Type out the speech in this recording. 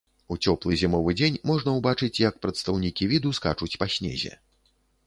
У цёплы зімовы дзень можна ўбачыць як прадстаўнікі віду скачуць па снезе.